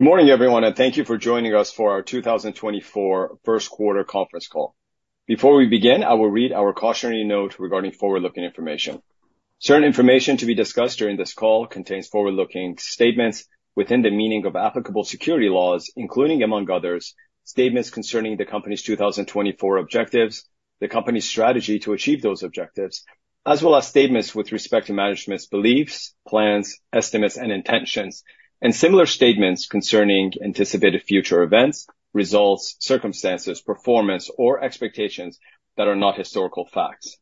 Good morning, everyone, and thank you for joining us for our 2024 Q1 conference call. Before we begin, I will read our cautionary note regarding forward-looking information. Certain information to be discussed during this call contains forward-looking statements within the meaning of applicable securities laws, including among others, statements concerning the company's 2024 objectives, the company's strategy to achieve those objectives, as well as statements with respect to management's beliefs, plans, estimates, and intentions, and similar statements concerning anticipated future events, results, circumstances, performance, or expectations that are not historical facts.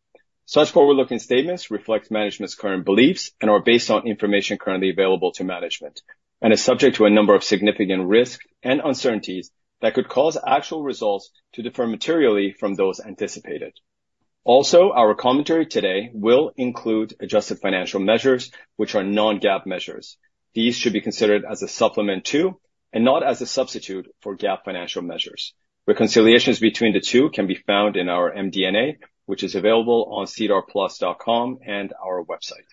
Such forward-looking statements reflect management's current beliefs and are based on information currently available to management and are subject to a number of significant risks and uncertainties that could cause actual results to differ materially from those anticipated. Also, our commentary today will include adjusted financial measures, which are non-GAAP measures, These should be considered as a supplement to and not as a substitute for GAAP financial measures. Reconciliations between the two can be found in our MDNA, which is available on SEDARPlus.com and our website.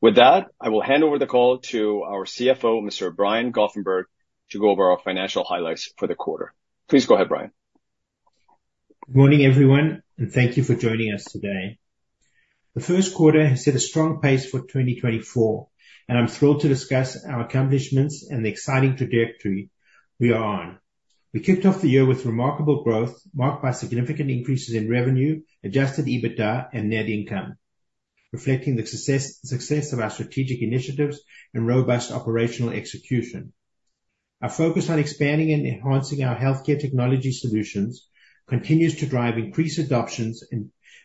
With that, I will hand over the call to our CFO, Mr. Brian Goffenberg, to go over our financial highlights for the quarter. Please go ahead, Brian. Good morning, everyone, and thank you for joining us today. The first quarter has set a strong pace for 2024, and I'm thrilled to discuss our accomplishments and the exciting trajectory we are on. We kicked off the year with remarkable growth marked by significant increases in revenue, Adjusted EBITDA, and net income, reflecting the success of our strategic initiatives and robust operational execution. Our focus on expanding and enhancing our healthcare technology solutions continues to drive increased adoption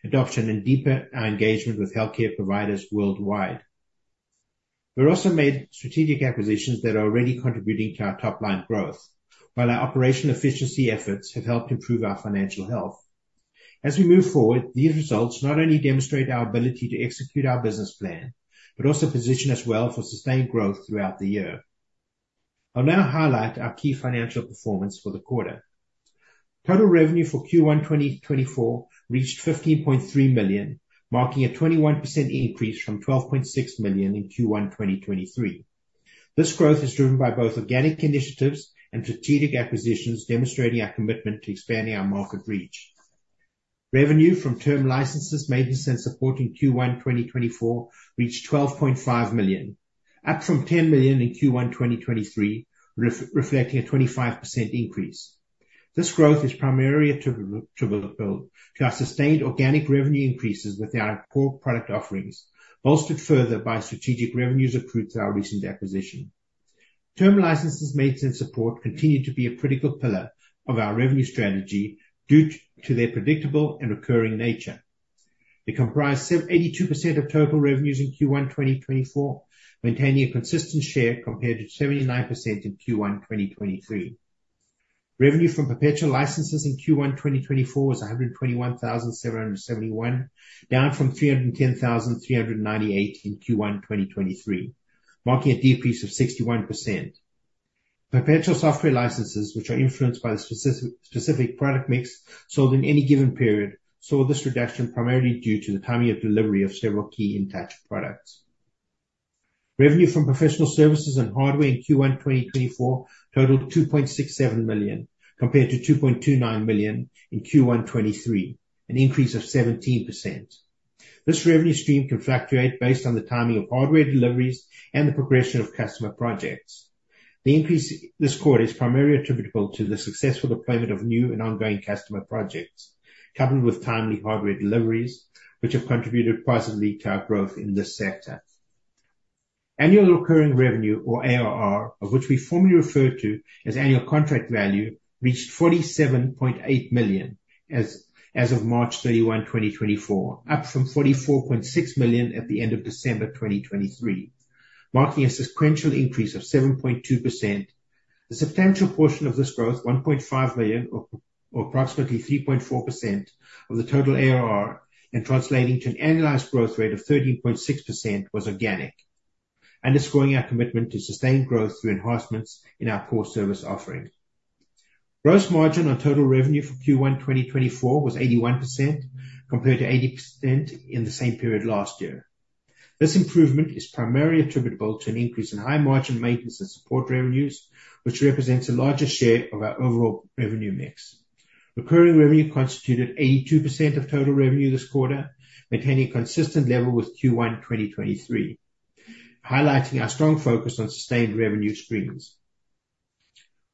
and deeper engagement with healthcare providers worldwide. We've also made strategic acquisitions that are already contributing to our top-line growth, while our operational efficiency efforts have helped improve our financial health. As we move forward, these results not only demonstrate our ability to execute our business plan but also position us well for sustained growth throughout the year. I'll now highlight our key financial performance for the quarter. Total revenue for Q1 2024 reached 15.3 million, marking a 21% increase from 12.6 million in Q1 2023. This growth is driven by both organic initiatives and strategic acquisitions demonstrating our commitment to expanding our market reach. Revenue from term licenses, maintenance, and support in Q1 2024 reached 12.5 million, up from 10 million in Q1 2023, reflecting a 25% increase. This growth is primarily attributable to our sustained organic revenue increases within our core product offerings, bolstered further by strategic revenues accrued through our recent acquisition. Term licenses, maintenance, and support continue to be a critical pillar of our revenue strategy due to their predictable and recurring nature. They comprise 82% of total revenues in Q1 2024, maintaining a consistent share compared to 79% in Q1 2023. Revenue from perpetual licenses in Q1 2024 was 121,771, down from 310,398 in Q1 2023, marking a decrease of 61%. Perpetual software licenses, which are influenced by the specific product mix sold in any given period, saw this reduction primarily due to the timing of delivery of several key Intouch products. Revenue from professional services and hardware in Q1 2024 totaled 2.67 million compared to 2.29 million in Q1 2023, an increase of 17%. This revenue stream can fluctuate based on the timing of hardware deliveries and the progression of customer projects. The increase in this quarter is primarily attributable to the successful deployment of new and ongoing customer projects, coupled with timely hardware deliveries, which have contributed positively to our growth in this sector. Annual recurring revenue, or ARR, of which we formerly refer to as annual contract value, reached 47.8 million as of March 31, 2024, up from 44.6 million at the end of December 2023, marking a sequential increase of 7.2%. The substantial portion of this growth, 1.5 million or approximately 3.4% of the total ARR, and translating to an annualized growth rate of 13.6%, was organic, underscoring our commitment to sustained growth through enhancements in our core service offering. Gross margin on total revenue for Q1 2024 was 81% compared to 80% in the same period last year. This improvement is primarily attributable to an increase in high-margin maintenance and support revenues, which represents a larger share of our overall revenue mix. Recurring revenue constituted 82% of total revenue this quarter, maintaining a consistent level with Q1 2023, highlighting our strong focus on sustained revenue streams.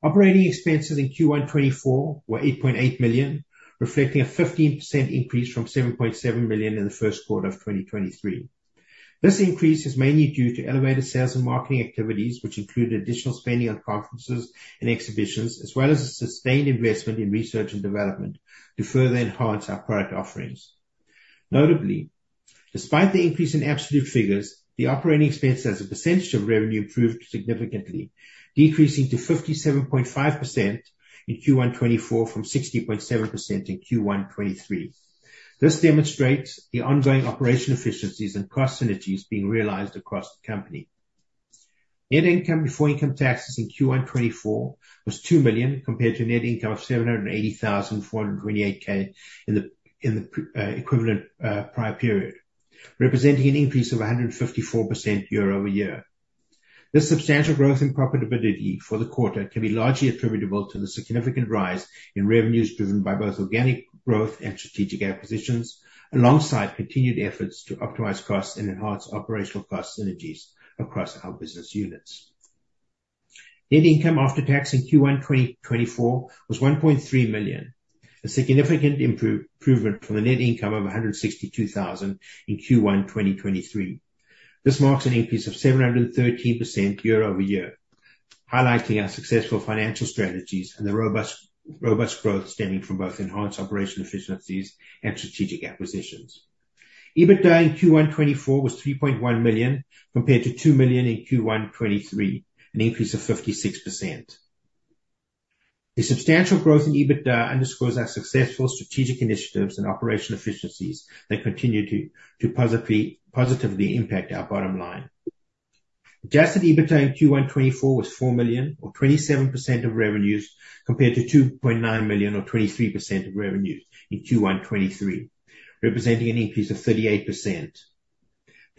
Operating expenses in Q1 2024 were 8.8 million, reflecting a 15% increase from 7.7 million in the first quarter of 2023. This increase is mainly due to elevated sales and marketing activities, which included additional spending on conferences and exhibitions, as well as a sustained investment in research and development to further enhance our product offerings. Notably, despite the increase in absolute figures, the operating expenses as a percentage of revenue improved significantly, decreasing to 57.5% in Q1 2024 from 60.7% in Q1 2023. This demonstrates the ongoing operational efficiencies and cost synergies being realized across the company. Net income before income taxes in Q1 2024 was 2 million compared to a net income of 780,428 in the equivalent prior period, representing an increase of 154% year-over-year. This substantial growth in profitability for the quarter can be largely attributable to the significant rise in revenues driven by both organic growth and strategic acquisitions, alongside continued efforts to optimize costs and enhance operational cost synergies across our business units. Net income after tax in Q1 2024 was 1.3 million, a significant improvement from the net income of 162,000 in Q1 2023. This marks an increase of 713% year-over-year, highlighting our successful financial strategies and the robust growth stemming from both enhanced operational efficiencies and strategic acquisitions. EBITDA in Q1 2024 was 3.1 million compared to 2 million in Q1 2023, an increase of 56%. The substantial growth in EBITDA underscores our successful strategic initiatives and operational efficiencies that continue to positively impact our bottom line. Adjusted EBITDA in Q1 2024 was 4 million, or 27% of revenues, compared to 2.9 million, or 23% of revenues in Q1 2023, representing an increase of 38%.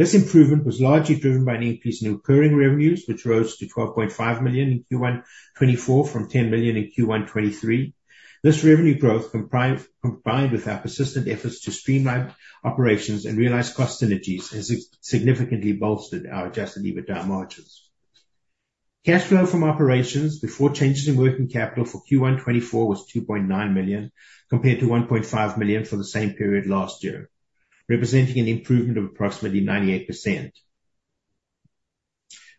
This improvement was largely driven by an increase in recurring revenues, which rose to 12.5 million in Q1 2024 from 10 million in Q1 2023. This revenue growth, combined with our persistent efforts to streamline operations and realize cost synergies, has significantly bolstered our Adjusted EBITDA margins. Cash flow from operations before changes in working capital for Q1 2024 was 2.9 million compared to 1.5 million for the same period last year, representing an improvement of approximately 98%.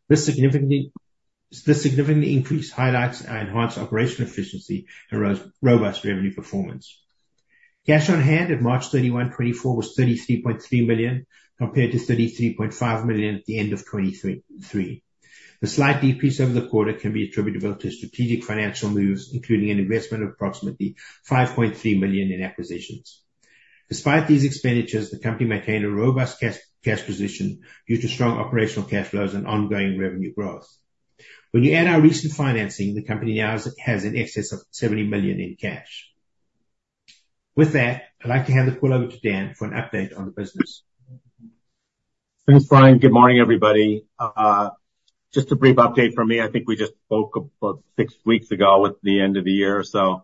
This significant increase highlights our enhanced operational efficiency and robust revenue performance. Cash on hand at March 31, 2024, was 33.3 million compared to 33.5 million at the end of 2023. The slight decrease over the quarter can be attributable to strategic financial moves, including an investment of approximately 5.3 million in acquisitions. Despite these expenditures, the company maintained a robust cash position due to strong operational cash flows and ongoing revenue growth. When you add our recent financing, the company now has an excess of 70 million in cash. With that, I'd like to hand the call over to Dan for an update on the business. Thanks, Brian. Good morning, everybody. Just a brief update from me. I think we just spoke about six weeks ago with the end of the year, so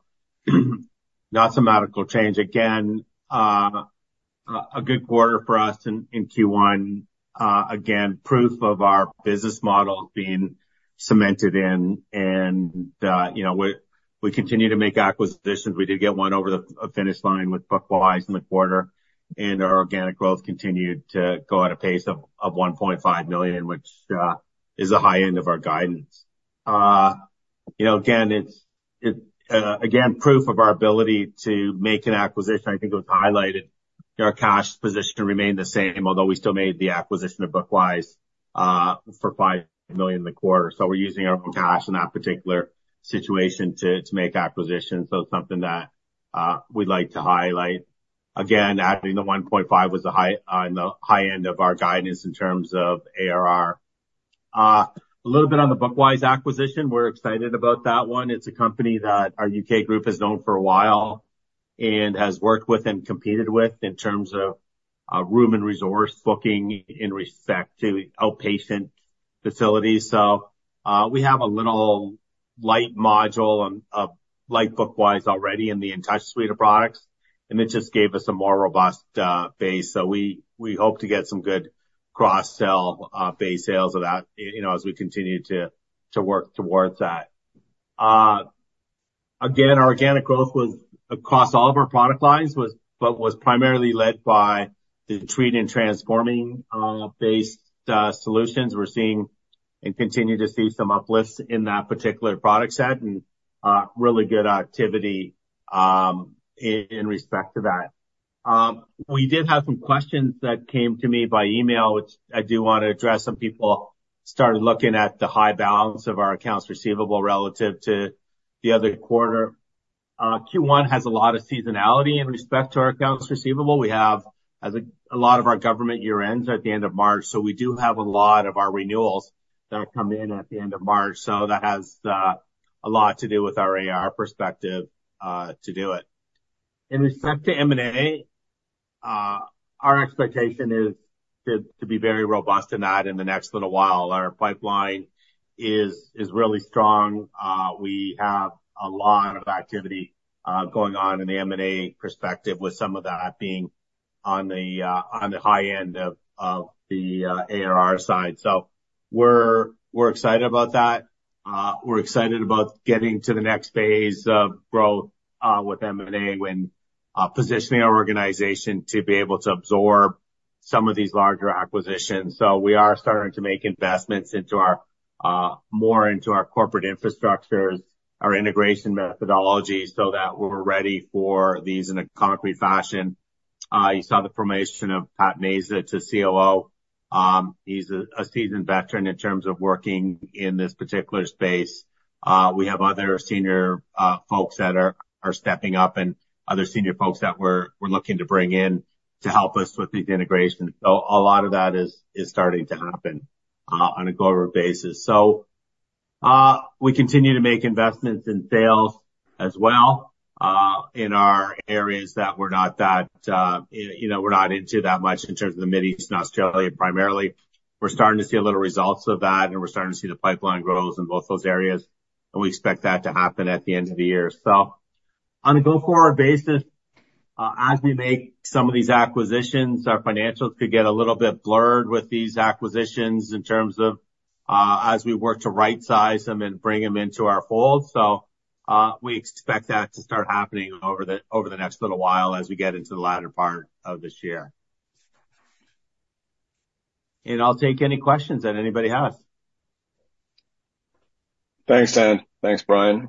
not a dramatic change. Again, a good quarter for us in Q1. Again, proof of our business model being cemented in, and we continue to make acquisitions. We did get one over the finish line with BookWise in the quarter, and our organic growth continued to go at a pace of 1.5 million, which is the high end of our guidance. Again, proof of our ability to make an acquisition. I think it was highlighted. Our cash position remained the same, although we still made the acquisition of BookWise for 5 million in the quarter. So we're using our own cash in that particular situation to make acquisitions. So it's something that we'd like to highlight. Again, adding the 1.5 was on the high end of our guidance in terms of ARR. A little bit on the BookWise acquisition, we're excited about that one. It's a company that our U.K. group has known for a while and has worked with and competed with in terms of room and resource booking in respect to outpatient facilities. So we have a little light module of light BookWise already in the Intouch suite of products, and it just gave us a more robust base. So we hope to get some good cross-sell base sales of that as we continue to work towards that. Again, our organic growth across all of our product lines was primarily led by the TREAT and Transforming-based solutions. We're seeing and continue to see some uplifts in that particular product set and really good activity in respect to that. We did have some questions that came to me by email. I do want to address some people started looking at the high balance of our accounts receivable relative to the other quarter. Q1 has a lot of seasonality in respect to our accounts receivable. We have a lot of our government year-ends at the end of March, so we do have a lot of our renewals that come in at the end of March. So that has a lot to do with our ARR perspective to do it. In respect to M&A, our expectation is to be very robust in that in the next little while. Our pipeline is really strong. We have a lot of activity going on in the M&A perspective, with some of that being on the high end of the ARR side. So we're excited about that. We're excited about getting to the next phase of growth with M&A when positioning our organization to be able to absorb some of these larger acquisitions. So we are starting to make investments more into our corporate infrastructures, our integration methodologies, so that we're ready for these in a concrete fashion. You saw the formation of Pat Mezza to COO. He's a seasoned veteran in terms of working in this particular space. We have other senior folks that are stepping up and other senior folks that we're looking to bring in to help us with these integrations. So a lot of that is starting to happen on a global basis. So we continue to make investments in sales as well in our areas that we're not into that much in terms of the Middle East and Australia primarily. We're starting to see a little results of that, and we're starting to see the pipeline grows in both those areas. We expect that to happen at the end of the year. So on a go-forward basis, as we make some of these acquisitions, our financials could get a little bit blurred with these acquisitions in terms of as we work to right-size them and bring them into our fold. We expect that to start happening over the next little while as we get into the latter part of this year. I'll take any questions that anybody has. Thanks, Dan. Thanks, Brian.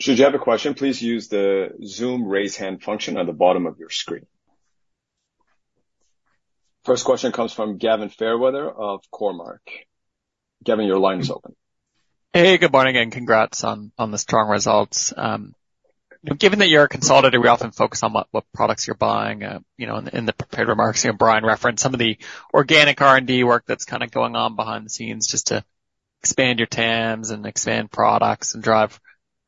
Should you have a question, please use the Zoom raise hand function at the bottom of your screen. First question comes from Gavin Fairweather of Cormark. Gavin, your line is open. Hey, good morning and congrats on the strong results. Given that you're a consultant, we often focus on what products you're buying. In the prepared remarks, Brian referenced some of the organic R&D work that's kind of going on behind the scenes just to expand your TAMs and expand products and drive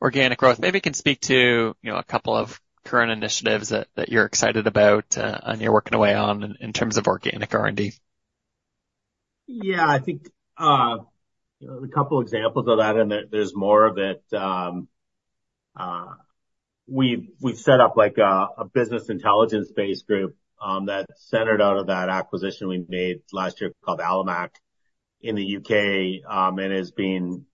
organic growth. Maybe you can speak to a couple of current initiatives that you're excited about and you're working away on in terms of organic R&D. Yeah, I think a couple of examples of that, and there's more of it. We've set up a business intelligence-based group that's centered out of that acquisition we made last year called Alamac in the UK and is being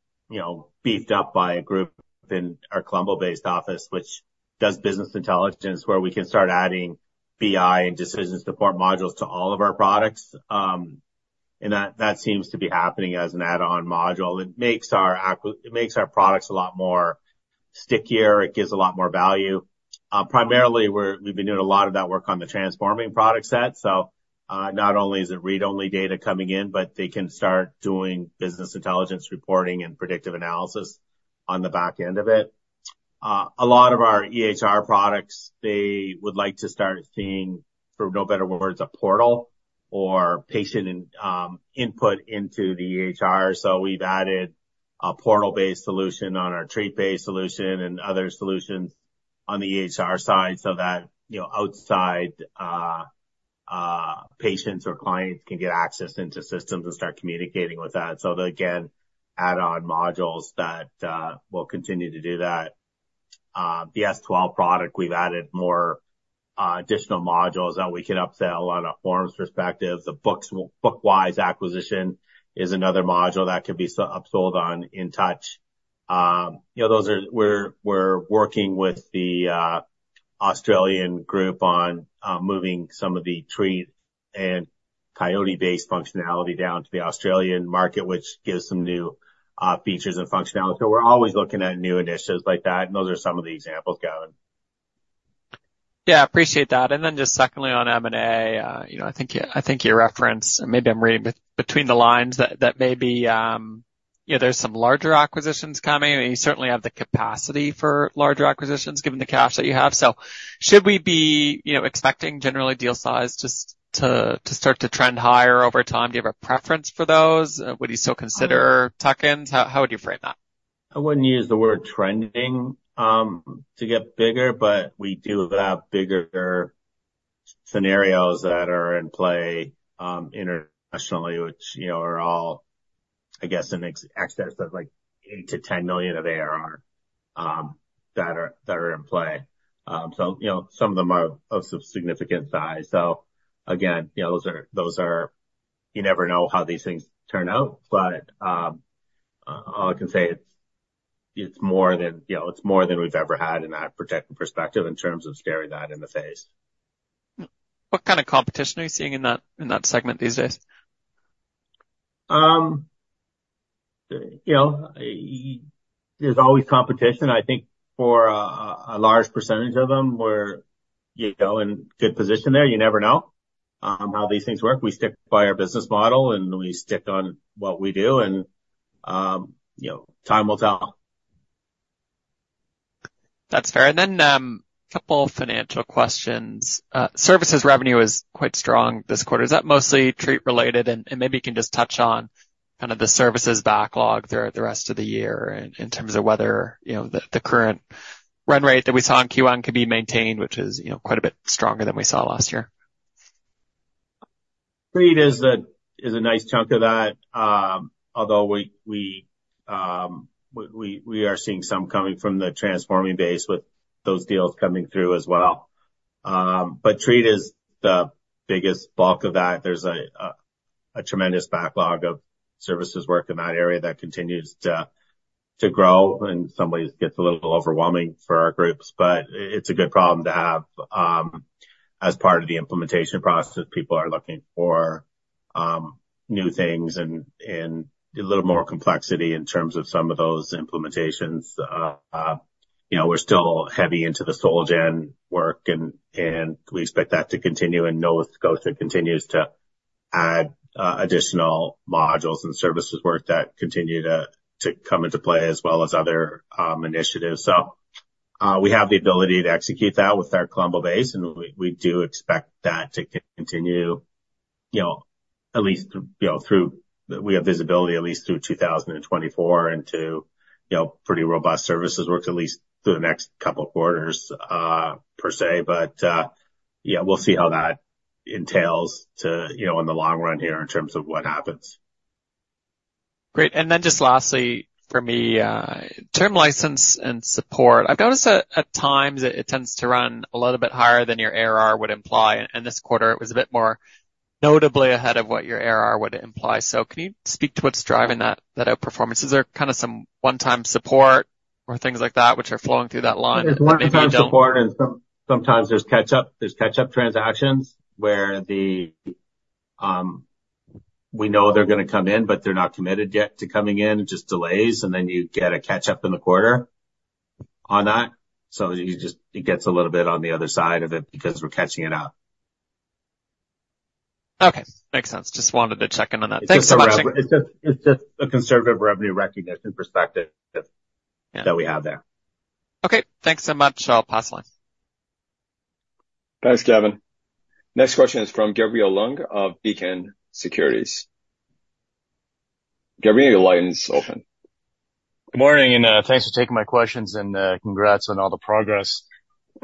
beefed up by a group in our Colombo-based office, which does business intelligence where we can start adding BI and decision support modules to all of our products. And that seems to be happening as an add-on module. It makes our products a lot more stickier. It gives a lot more value. Primarily, we've been doing a lot of that work on the Transforming product set. So not only is it read-only data coming in, but they can start doing business intelligence reporting and predictive analysis on the back end of it. A lot of our EHR products, they would like to start seeing, for no better words, a portal or patient input into the EHR. So we've added a portal-based solution on our TREAT-based solution and other solutions on the EHR side so that outside patients or clients can get access into systems and start communicating with that. So again, add-on modules that will continue to do that. The S12 product, we've added more additional modules that we can upsell on a forms perspective. The BookWise acquisition is another module that could be upsold on Intouch. Those are, we're working with the Australian group on moving some of the TREAT and Coyote-based functionality down to the Australian market, which gives some new features and functionality. So we're always looking at new initiatives like that. And those are some of the examples, Gavin. Yeah, appreciate that. And then just secondly, on M&A, I think you referenced maybe I'm reading between the lines that maybe there's some larger acquisitions coming. You certainly have the capacity for larger acquisitions given the cash that you have. So should we be expecting, generally, deal size just to start to trend higher over time? Do you have a preference for those? Would you still consider tuck-ins? How would you frame that? I wouldn't use the word trending to get bigger, but we do have bigger scenarios that are in play internationally, which are all, I guess, an excess of 8 million-10 million of ARR that are in play. So some of them are of significant size. So again, those are, you never know how these things turn out. But all I can say, it's more than it's more than we've ever had in that protective perspective in terms of staring that in the face. What kind of competition are you seeing in that segment these days? There's always competition. I think for a large percentage of them, we're in good position there. You never know how these things work. We stick by our business model, and we stick on what we do. Time will tell. That's fair. And then a couple of financial questions. Services revenue is quite strong this quarter. Is that mostly TREAT-related? And maybe you can just touch on kind of the services backlog throughout the rest of the year in terms of whether the current run rate that we saw in Q1 could be maintained, which is quite a bit stronger than we saw last year. TREAT is a nice chunk of that, although we are seeing some coming from the Transforming base with those deals coming through as well. But TREAT is the biggest bulk of that. There's a tremendous backlog of services work in that area that continues to grow, and it sometimes gets a little overwhelming for our groups. But it's a good problem to have. As part of the implementation process, people are looking for new things and a little more complexity in terms of some of those implementations. We're still heavy into the SolGen work, and we expect that to continue. Nova Scotia continues to add additional modules and services work that continue to come into play as well as other initiatives. So we have the ability to execute that with our Colombo base, and we do expect that to continue at least through—we have visibility at least through 2024 into pretty robust services work at least through the next couple of quarters, per se. But yeah, we'll see how that entails in the long run here in terms of what happens. Great. And then just lastly for me, term license and support. I've noticed at times it tends to run a little bit higher than your ARR would imply. And this quarter, it was a bit more notably ahead of what your ARR would imply. So can you speak to what's driving that outperformance? Is there kind of some one-time support or things like that which are flowing through that line? There's one-time support, and sometimes there's catch-up transactions where we know they're going to come in, but they're not committed yet to coming in. It just delays, and then you get a catch-up in the quarter on that. So it gets a little bit on the other side of it because we're catching it up. Okay. Makes sense. Just wanted to check in on that. Thanks so much, Gavin. It's just a conservative revenue recognition perspective that we have there. Okay. Thanks so much. I'll pass the line. Thanks, Gavin. Next question is from Gabriel Leung of Beacon Securities. Gabriel, your line is open. Good morning, and thanks for taking my questions, and congrats on all the progress.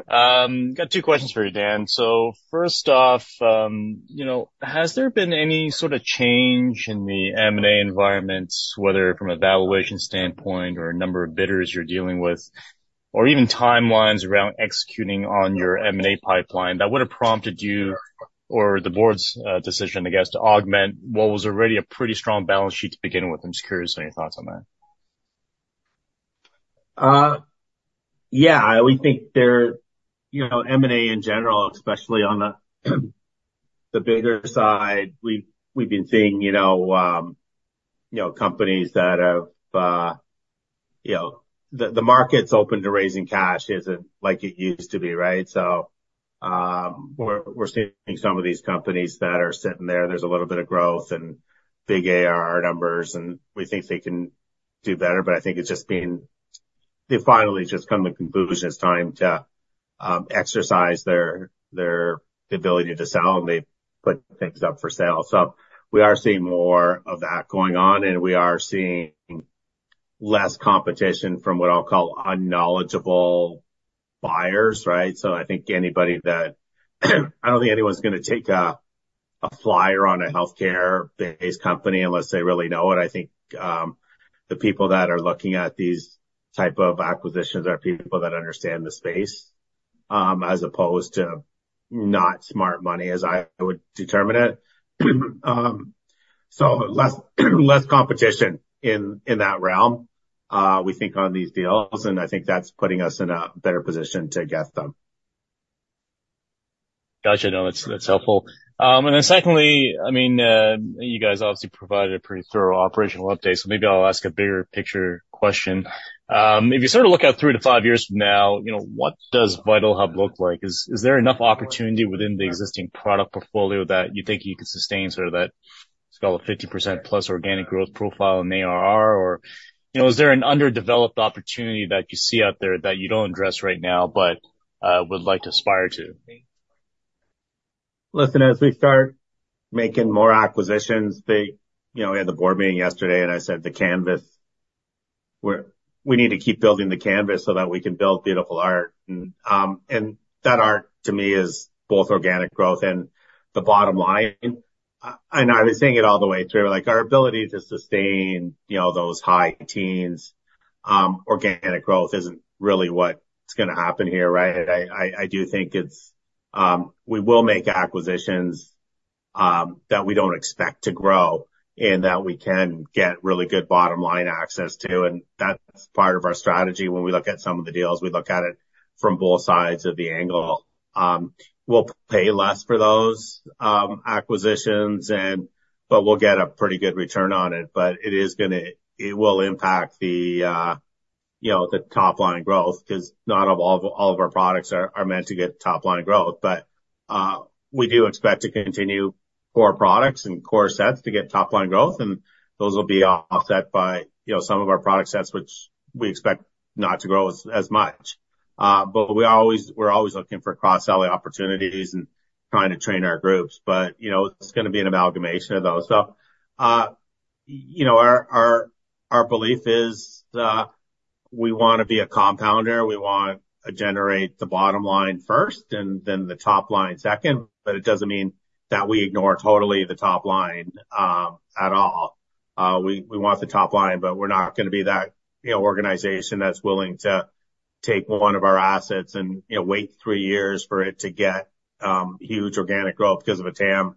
Got two questions for you, Dan. So first off, has there been any sort of change in the M&A environment, whether from a valuation standpoint or number of bidders you're dealing with, or even timelines around executing on your M&A pipeline that would have prompted you or the board's decision, I guess, to augment what was already a pretty strong balance sheet to begin with? I'm just curious on your thoughts on that. Yeah. We think M&A in general, especially on the bigger side, we've been seeing companies that have the markets open to raising cash. It isn't like it used to be, right? So we're seeing some of these companies that are sitting there. There's a little bit of growth and big ARR numbers, and we think they can do better. But I think it's just that they've finally just come to the conclusion it's time to exercise their ability to sell, and they've put things up for sale. So we are seeing more of that going on, and we are seeing less competition from what I'll call unknowledgeable buyers, right? So I think anybody that I don't think anyone's going to take a flyer on a healthcare-based company unless they really know it. I think the people that are looking at these type of acquisitions are people that understand the space as opposed to not smart money, as I would determine it. So less competition in that realm, we think, on these deals. And I think that's putting us in a better position to get them. Gotcha. No, that's helpful. And then secondly, I mean, you guys obviously provided a pretty thorough operational update. So maybe I'll ask a bigger picture question. If you sort of look out three to five years from now, what does VitalHub look like? Is there enough opportunity within the existing product portfolio that you think you could sustain sort of that, let's call it, 50%-plus organic growth profile in ARR? Or is there an underdeveloped opportunity that you see out there that you don't address right now but would like to aspire to? Listen, as we start making more acquisitions, we had the board meeting yesterday, and I said the canvas we need to keep building the canvas so that we can build beautiful art. And that art, to me, is both organic growth and the bottom line. And I was saying it all the way through. Our ability to sustain those high-teens organic growth isn't really what's going to happen here, right? I do think it's we will make acquisitions that we don't expect to grow and that we can get really good bottom-line access to. And that's part of our strategy. When we look at some of the deals, we look at it from both sides of the angle. We'll pay less for those acquisitions, but we'll get a pretty good return on it. But it is going to, it will impact the top-line growth because not all of our products are meant to get top-line growth. But we do expect to continue core products and core sets to get top-line growth. And those will be offset by some of our product sets, which we expect not to grow as much. But we're always looking for cross-selling opportunities and trying to train our groups. But it's going to be an amalgamation of those. So our belief is we want to be a compounder. We want to generate the bottom line first and then the top line second. But it doesn't mean that we ignore totally the top line at all. We want the top line, but we're not going to be that organization that's willing to take one of our assets and wait three years for it to get huge organic growth because of a TAM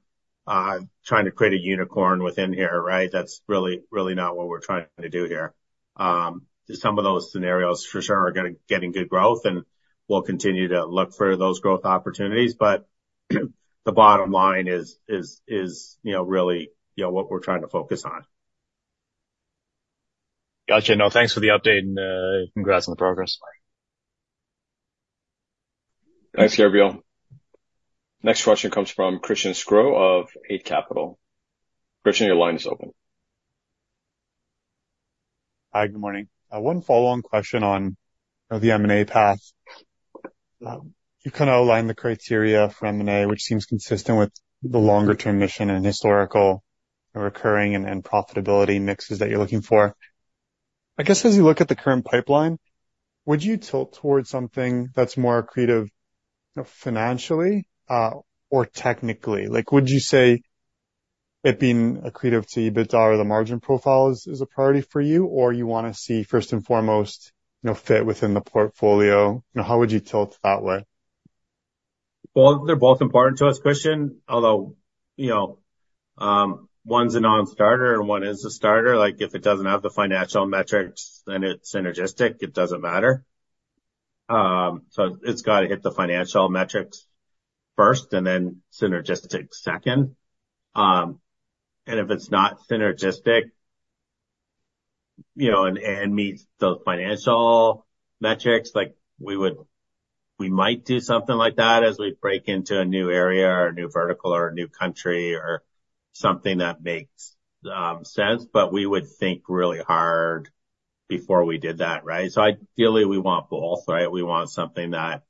trying to create a unicorn within here, right? That's really not what we're trying to do here. Some of those scenarios, for sure, are getting good growth, and we'll continue to look for those growth opportunities. But the bottom line is really what we're trying to focus on. Gotcha. No, thanks for the update, and congrats on the progress. Thanks, Gabriel. Next question comes from Christian Sgro of Eight Capital. Christian, your line is open. Hi. Good morning. One follow-on question on the M&A path. You kind of outlined the criteria for M&A, which seems consistent with the longer-term mission and historical recurring and profitability mixes that you're looking for. I guess as you look at the current pipeline, would you tilt towards something that's more creative financially or technically? Would you say it being accretive to EBITDA or the margin profile is a priority for you, or you want to see first and foremost fit within the portfolio? How would you tilt that way? Well, they're both important to us, Christian, although one's a non-starter and one is a starter. If it doesn't have the financial metrics and it's synergistic, it doesn't matter. So it's got to hit the financial metrics first and then synergistic second. And if it's not synergistic and meets those financial metrics, we might do something like that as we break into a new area or a new vertical or a new country or something that makes sense. But we would think really hard before we did that, right? So ideally, we want both, right? We want something that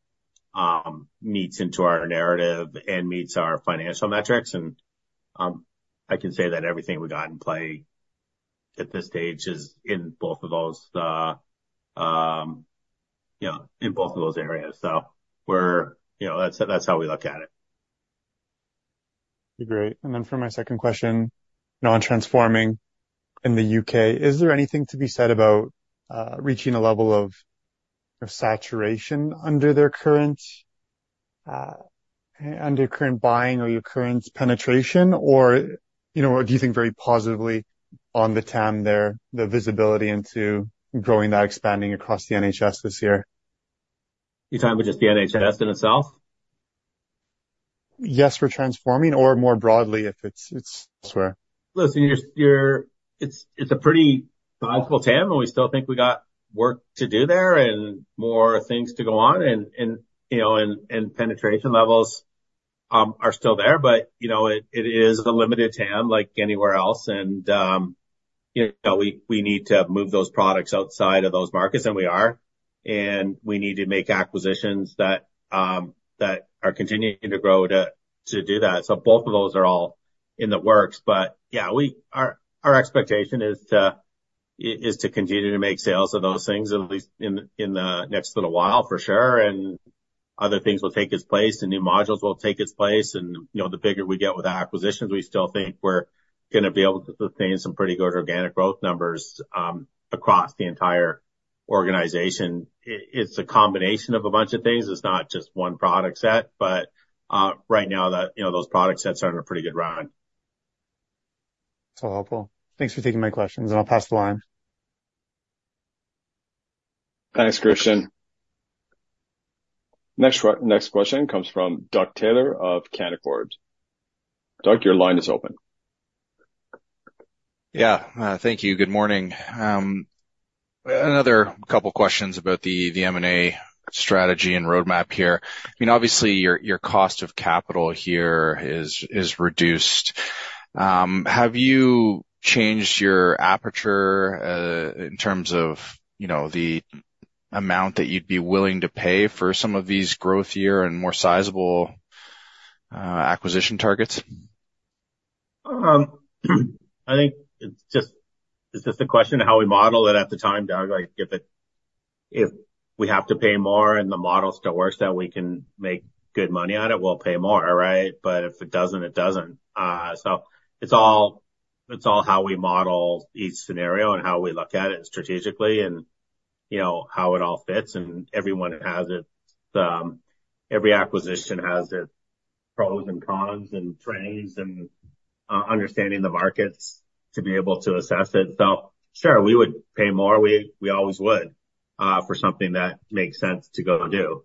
meets into our narrative and meets our financial metrics. And I can say that everything we got in play at this stage is in both of those in both of those areas. So that's how we look at it. Agreed. And then for my second question, non-Transforming in the UK, is there anything to be said about reaching a level of saturation under your current buying or your current penetration? Or do you think very positively on the TAM there, the visibility into growing that expanding across the NHS this year? You're talking about just the NHS in itself? Yes, for transforming or more broadly if it's elsewhere. Listen, it's a pretty sizable TAM, and we still think we got work to do there and more things to go on. And penetration levels are still there, but it is a limited TAM like anywhere else. And we need to move those products outside of those markets, and we are. And we need to make acquisitions that are continuing to grow to do that. So both of those are all in the works. But yeah, our expectation is to continue to make sales of those things, at least in the next little while, for sure. And other things will take its place, and new modules will take its place. And the bigger we get with acquisitions, we still think we're going to be able to sustain some pretty good organic growth numbers across the entire organization. It's a combination of a bunch of things. It's not just one product set. Right now, those product sets are in a pretty good run. That's all helpful. Thanks for taking my questions, and I'll pass the line. Thanks, Christian. Next question comes from Doug Taylor of Canaccord. Doug, your line is open. Yeah. Thank you. Good morning. Another couple of questions about the M&A strategy and roadmap here. I mean, obviously, your cost of capital here is reduced. Have you changed your aperture in terms of the amount that you'd be willing to pay for some of these growth year and more sizable acquisition targets? I think it's just a question of how we model it at the time, Doug. If we have to pay more and the model still works, that we can make good money on it, we'll pay more, right? But if it doesn't, it doesn't. So it's all how we model each scenario and how we look at it strategically and how it all fits. And everyone has it. Every acquisition has its pros and cons and trends and understanding the markets to be able to assess it. So sure, we would pay more. We always would for something that makes sense to go do.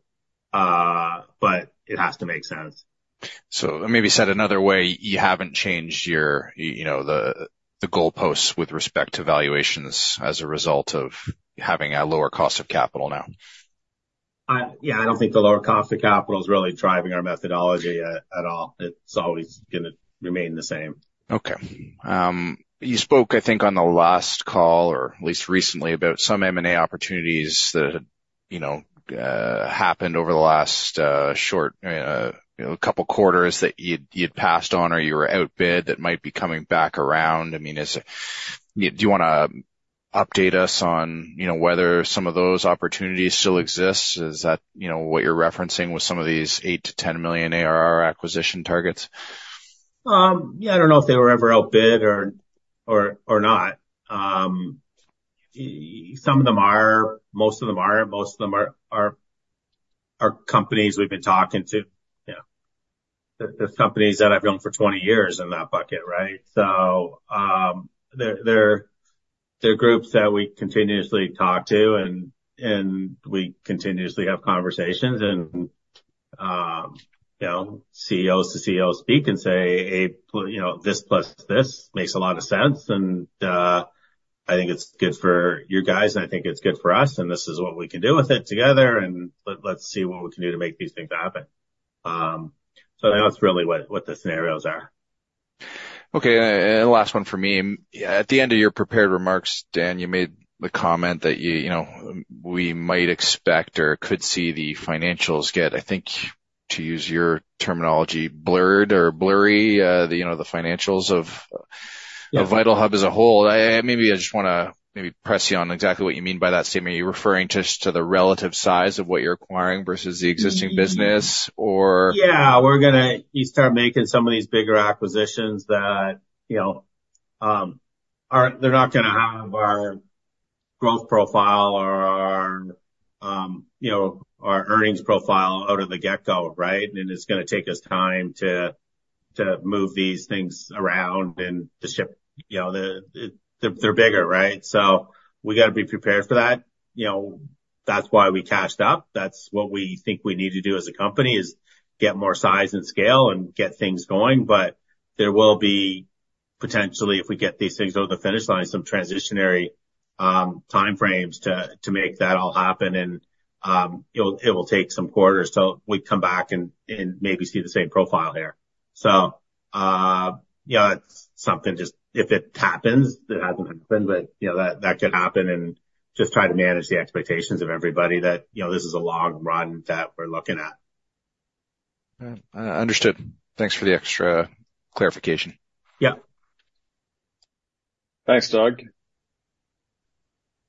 But it has to make sense. Maybe said another way, you haven't changed the goalposts with respect to valuations as a result of having a lower cost of capital now? Yeah. I don't think the lower cost of capital is really driving our methodology at all. It's always going to remain the same. Okay. You spoke, I think, on the last call or at least recently about some M&A opportunities that happened over the last short couple of quarters that you'd passed on or you were outbid that might be coming back around. I mean, do you want to update us on whether some of those opportunities still exist? Is that what you're referencing with some of these 8 million-10 million ARR acquisition targets? Yeah. I don't know if they were ever outbid or not. Some of them are. Most of them aren't. Most of them are companies we've been talking to. Yeah. There's companies that I've known for 20 years in that bucket, right? So they're groups that we continuously talk to, and we continuously have conversations. And CEOs to CEOs speak and say, "Hey, this plus this makes a lot of sense. And I think it's good for your guys, and I think it's good for us. And this is what we can do with it together. And let's see what we can do to make these things happen." So that's really what the scenarios are. Okay. And the last one for me. At the end of your prepared remarks, Dan, you made the comment that we might expect or could see the financials get, I think, to use your terminology, blurred or blurry, the financials of VitalHub as a whole. Maybe I just want to maybe press you on exactly what you mean by that statement. Are you referring to the relative size of what you're acquiring versus the existing business, or? Yeah. We're going to start making some of these bigger acquisitions that they're not going to have our growth profile or our earnings profile out of the get-go, right? And it's going to take us time to move these things around and to shift they're bigger, right? So we got to be prepared for that. That's why we cashed up. That's what we think we need to do as a company, is get more size and scale and get things going. But there will be potentially, if we get these things over the finish line, some transitionary timeframes to make that all happen. And it will take some quarters till we come back and maybe see the same profile here. So it's something just if it happens, it hasn't happened, but that could happen. Just try to manage the expectations of everybody that this is a long run that we're looking at. Understood. Thanks for the extra clarification. Yep. Thanks, Doug. If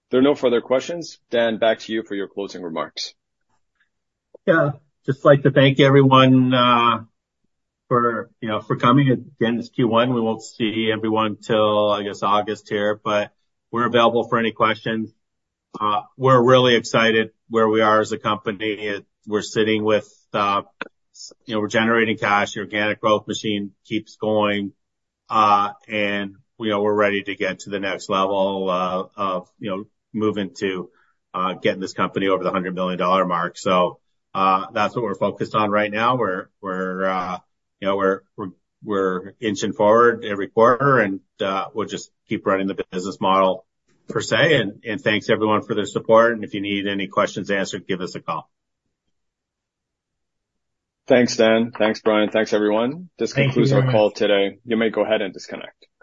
there are no further questions, Dan, back to you for your closing remarks. Yeah. Just like to thank everyone for coming. Again, it's Q1. We won't see everyone till, I guess, August here. But we're available for any questions. We're really excited where we are as a company. We're sitting with, we're generating cash. The organic growth machine keeps going. And we're ready to get to the next level of moving to getting this company over the 100 million dollar mark. So that's what we're focused on right now. We're inching forward every quarter, and we'll just keep running the business model, per se. And thanks, everyone, for their support. And if you need any questions answered, give us a call. Thanks, Dan. Thanks, Brian. Thanks, everyone. This concludes our call today. You may go ahead and disconnect. Thank you.